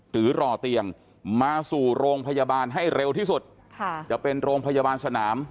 หรือรอเตียงมาสู่โรงพยาบาลให้เร็วที่สุดจะเป็นโรงพยาบาลสนาม